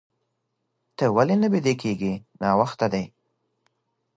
ته ولې نه بيده کيږې؟ ناوخته دي.